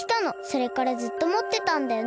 それからずっともってたんだよね。